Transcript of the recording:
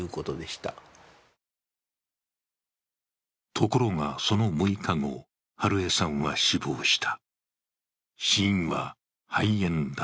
ところが、その６日後、美枝さんは死亡した。